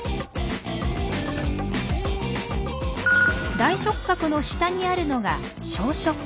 大触角の下にあるのが小触角。